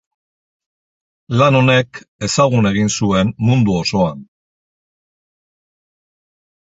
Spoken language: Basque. Lan honek ezagun egin zuen mundu osoan.